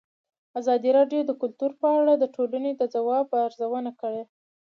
ازادي راډیو د کلتور په اړه د ټولنې د ځواب ارزونه کړې.